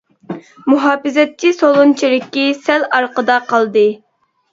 مۇھاپىزەتچى سولۇن چېرىكى سەل ئارقىدا قالدى.